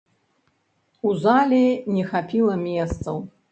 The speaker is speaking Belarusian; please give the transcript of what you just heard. У зале не хапіла месцаў.